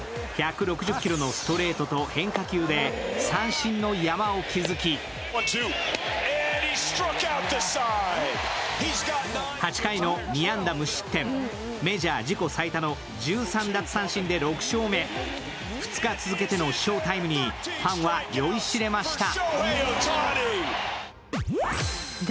１６０キロのストレートと変化球で三振の山を築き８回の２安打無失点、メジャー自己最多の１３奪三振で６勝目、２日続けての翔タイムにファンは酔いしれました。